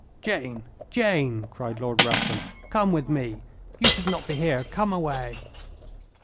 "Jane, Jane," cried Lord Rufton; "come with me. You should not be here. Come away."